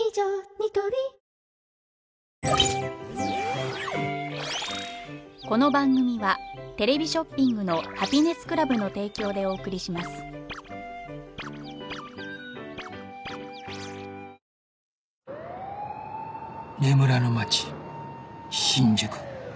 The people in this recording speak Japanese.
ニトリ眠らぬ街新宿